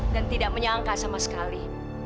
dan tidak menyangka sama sekali